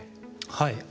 はい。